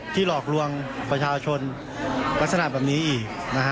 ที่หลอกลวงประชาวชนพัฒนาแบบนี้อีก